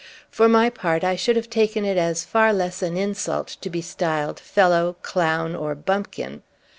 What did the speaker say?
For my part, I should have taken it as far less an insult to be styled "fellow," "clown," or "bumpkin."